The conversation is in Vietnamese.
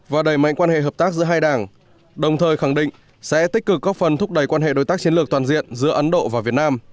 và đẩy mạnh quan hệ hợp tác giữa hai đảng đồng thời khẳng định sẽ tích cực góp phần thúc đẩy quan hệ đối tác chiến lược toàn diện giữa ấn độ và việt nam